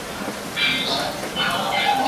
判官李恕劝谏他归顺中原。